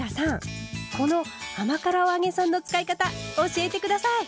この甘辛お揚げさんの使い方教えて下さい！